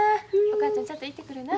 お母ちゃんちょっと行ってくるな。